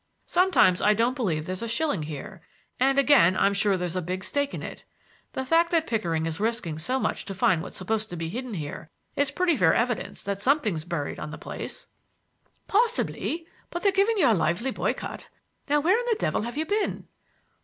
Sometimes I don't believe there's a shilling here, and again I'm sure there's a big stake in it. The fact that Pickering is risking so much to find what's supposed to be hidden here is pretty fair evidence that something's buried on the place." "Possibly, but they're giving you a lively boycott. Now where in the devil have you been?"